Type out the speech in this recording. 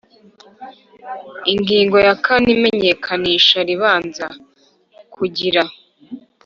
Ingingo ya kane Imenyekanisha ribanza kugira